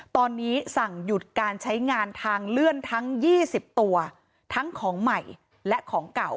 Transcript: ตอนนี้สั่งหยุดการใช้งานทางเลื่อนทั้ง๒๐ตัวทั้งของใหม่และของเก่า